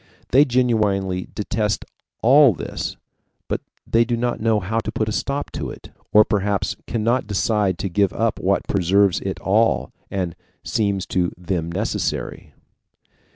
They genuinely detest all this, but they do not know how to put a stop to it, or perhaps cannot decide to give up what preserves it all, and seems to them necessary.